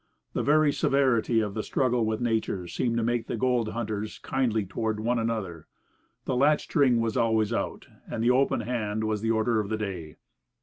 The very severity of the struggle with Nature seemed to make the gold hunters kindly toward one another. The latch string was always out, and the open hand was the order of the day.